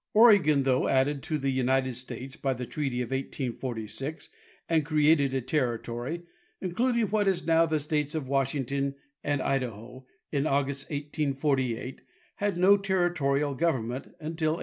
Oregon, though added to the United States by the treaty of 1846, and created a territory, including what is now the states of Washington and Idaho, in August, 1848, had no territorial government until 1849.